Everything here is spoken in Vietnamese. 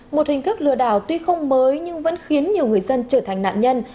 một hình thức lừa đảo tuy không mới nhưng vẫn khiến nhiều người dân trở thành nạn nhân